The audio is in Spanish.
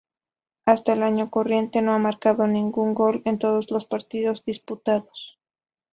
Hasta el año corriente, no ha marcado ningún gol en todos los partidos disputados.